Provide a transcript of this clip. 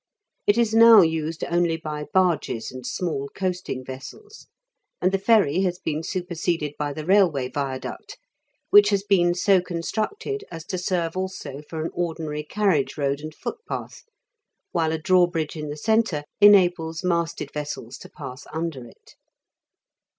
It is now used only by barges and small coasting vessels ; and the ferry has been superseded by the railway viaduct, which has been so constructed as to serve also for an ordinary carriage road and footpath, while a drawbridge in the centre enables masted vessels to pass under it.